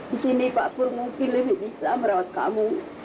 di sini pak pur mungkin lebih bisa merawat kamu